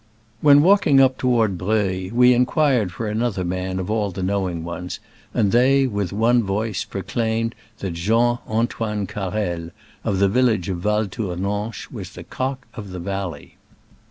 When walking up toward Breuil, we inquired for another man of all the knowing ones, and they, with one voice, proclaimed that Jean Antoine Carrel, of the village of Val Tournanche, was the cock of his valley.